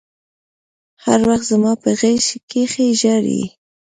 هر وخت زما په غېږ کښې ژاړي.